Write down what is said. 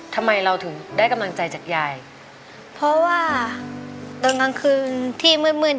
ทำไมเราถึงได้กำลังใจจากยายเพราะว่าตอนกลางคืนที่มืดมืด